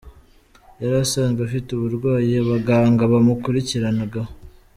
Yari asanzwe afite uburwayi abaganga bamukurikiranagaho.